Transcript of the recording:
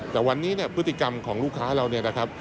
แต่วันนี้พฤติกรรมของลูกค้าเรา